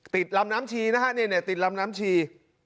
ติดลำน้ำชีนะฮะเนี่ยติดลำน้ำชี